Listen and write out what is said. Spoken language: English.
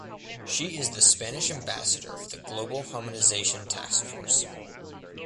She is the Spanish Ambassador for the Global Harmonization Task Force.